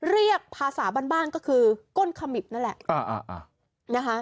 เรียกภาษาบ้านก็คือก้นขมิบนั่นแหละนะคะ